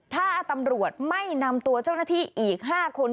ถ้าตำรวจไม่นำตัวเจ้าหน้าที่อีก๕คน